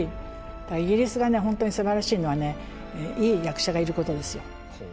イギリスが本当にすばらしいのはねいい役者がいることですよ。